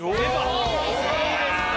おおいいですね